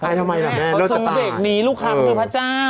อายทำไมล่ะแม่เลิศตาเขาซื้อเด็กนี้ลูกคำคือพระเจ้า